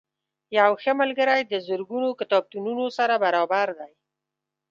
یو ښه ملګری د زرګونو کتابتونونو سره برابر دی.